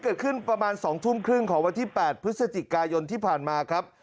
เกิดขึ้นประมาณ๒ทุ่มครึ่งของวันที่๘พฤศจิกายนที่ผ่านมาครับ